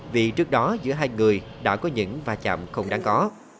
vì trước đó giữa hai người đã có những va chạm không đáng có